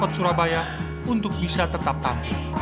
pemkot surabaya untuk bisa tetap tamu